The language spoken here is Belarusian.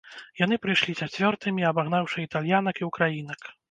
Яны прыйшлі чацвёртымі, абагнаўшы італьянак і ўкраінак.